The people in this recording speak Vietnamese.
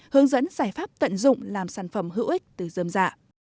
hướng dẫn giải pháp tận dụng làm sản phẩm hữu ích từ dơm dạ